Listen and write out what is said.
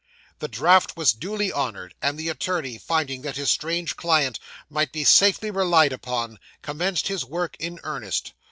'The draft was duly honoured, and the attorney, finding that his strange client might be safely relied upon, commenced his work in earnest.